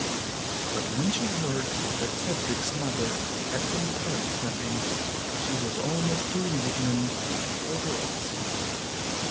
But when she heard that Cedric's mother had been parted from him she was almost too indignant for words.